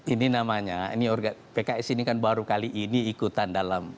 ini namanya ini pks ini kan baru kali ini ikutan dalam